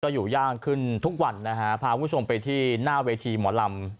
อยู่ย่างขึ้นทุกวันนะฮะพาคุณผู้ชมไปที่หน้าเวทีหมอลำ